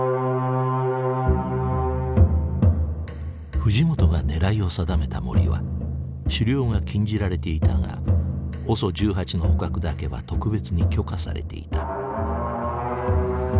藤本が狙いを定めた森は狩猟が禁じられていたがＯＳＯ１８の捕獲だけは特別に許可されていた。